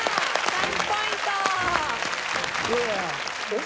３ポイント！